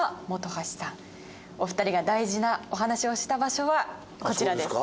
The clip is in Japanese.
お二人が大事なお話をした場所はこちらです。